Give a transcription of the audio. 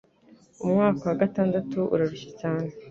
Umwaka wa gatandatu urarushya cyane